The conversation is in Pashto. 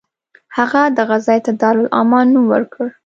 هغه دغه ځای ته دارالامان نوم ورکړ.